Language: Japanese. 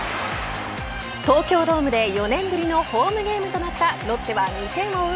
東京ドームで４年ぶりのホームゲームとなったロッテは２点を追う